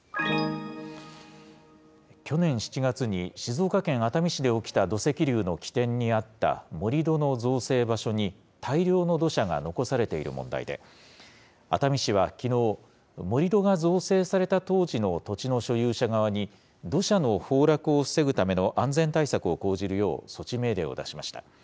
去年７月に、静岡県熱海市で起きた土石流の起点にあった盛り土の造成場所に、大量の土砂が残されている問題で、熱海市はきのう、盛り土が造成された当時の土地の所有者側に土砂の崩落を防ぐための安全対策を講じるよう措置命令を出しました。